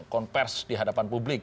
konvers dihadapan publik